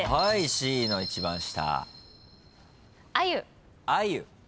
Ｂの一番下。